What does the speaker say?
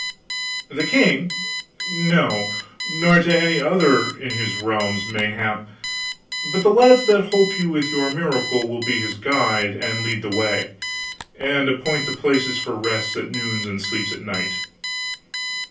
"The king? no, nor to any other in his realms, mayhap; but the lads that holp you with your miracle will be his guide and lead the way, and appoint the places for rests at noons and sleeps at night."